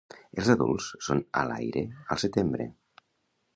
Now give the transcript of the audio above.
Els adults són a l'aire al setembre.